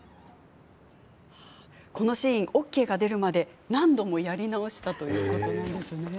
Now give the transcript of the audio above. このシーン、ＯＫが出るまで何度もやり直したそうですね。